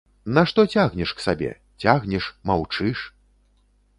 Нашто цягнеш к сабе, цягнеш, маўчыш?